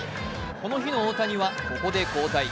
この日の大谷はここで交代。